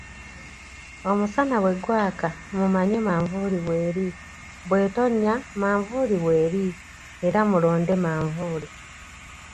Omusana bwegwaka, mumanye manvuuli w'eri, bw'etonnya manvuuli w'eri era mulonde manvuuli.